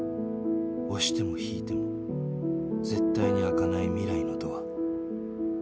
押しても引いても絶対に開かない未来のドア